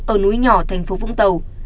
ở núi nhỏ thành phố vũng tàu